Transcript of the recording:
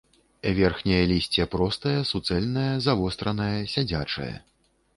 Верхняе лісце простае, суцэльнае, завостранае, сядзячае.